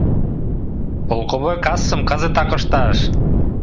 Полковой кассым кызытак ышташ.